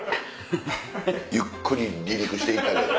ゆっくり離陸して行ったけど。